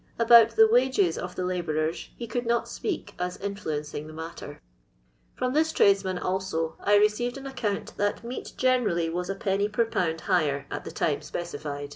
About the wages of the labourers he could not speak as influencing the matter. From this tradesmen also I receiv^ an account that meat generally was Id. per lb. higher at the time specifi^.